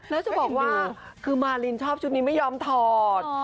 แล้วจะบอกว่าคือมารินชอบชุดนี้ไม่ยอมถอด